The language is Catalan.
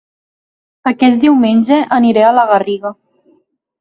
Aquest diumenge aniré a La Garriga